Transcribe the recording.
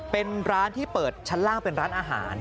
เป็นร้านที่เปิดชั้นล่างเป็นร้านอาหาร